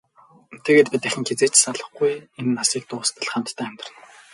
Тэгээд бид дахин хэзээ ч салахгүй, энэ насыг дуустал хамтдаа амьдарна.